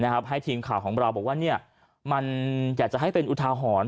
ให้ทีมข่าวของเราบอกว่ามันอยากจะให้เป็นอุทาหรณ์